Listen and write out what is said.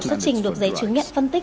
xuất trình được giấy chứng nhận phân tích